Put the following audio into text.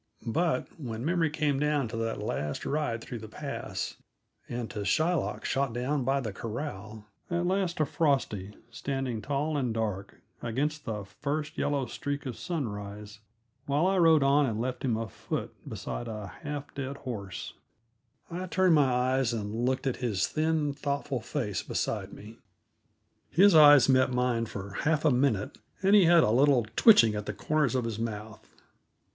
But when memory came down to that last ride through the pass, and to Shylock shot down by the corral, at last to Frosty standing, tall and dark, against the first yellow streak of sunrise, while I rode on and left him afoot beside a half dead horse, I turned my eyes and looked at his thin, thoughtful face beside me. His eyes met mine for half a minute, and he had a little twitching at the corners of his mouth.